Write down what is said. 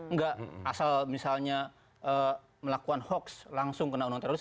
enggak asal misalnya melakukan hoax langsung kena undang teroris